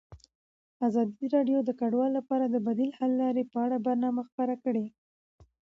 ازادي راډیو د کډوال لپاره د بدیل حل لارې په اړه برنامه خپاره کړې.